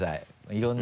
いろんな。